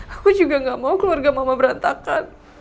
aku juga gak mau keluarga mama berantakan